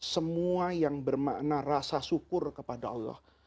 semua yang bermakna rasa syukur kepada allah